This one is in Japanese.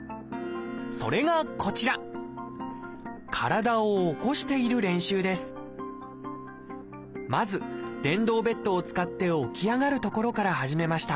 それがこちらまず電動ベッドを使って起き上がるところから始めました。